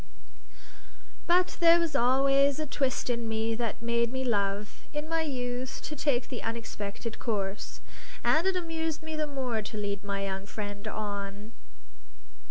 But there was always a twist in me that made me love (in my youth) to take the unexpected course; and it amused me the more to lead my young friend on.